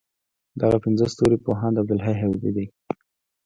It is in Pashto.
دغه پنځه ستوري پوهاند عبدالحی حبیبي دی.